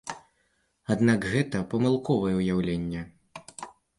Аднак гэта памылковае ўяўленне.